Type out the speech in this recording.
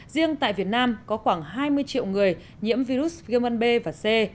riêng tại việt nam có khoảng hai mươi triệu người nhiễm virus v một b và c